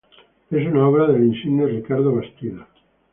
Es una obra del insigne Ricardo Bastida.